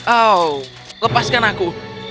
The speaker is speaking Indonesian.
oh lepaskan aku